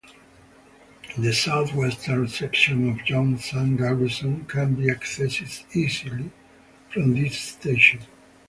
The southwestern section of Yongsan Garrison can be accessed easily from this station.